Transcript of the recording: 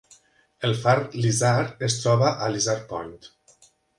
El far Lizard es troba a Lizard Point.